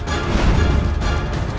jangan lupa untuk berhenti